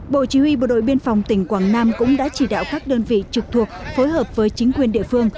bộ chỉ huy bộ đội biên phòng tỉnh quảng nam cũng đã chỉ đạo các đơn vị trực thuộc phối hợp với chính quyền địa phương